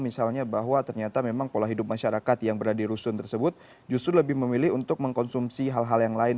misalnya bahwa ternyata memang pola hidup masyarakat yang berada di rusun tersebut justru lebih memilih untuk mengkonsumsi hal hal yang lain